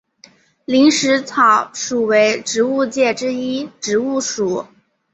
林石草属为植物界之一植物属。